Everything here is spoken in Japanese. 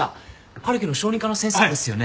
春樹の小児科の先生ですよね？